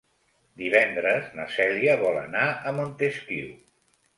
Divendres na Cèlia vol anar a Montesquiu.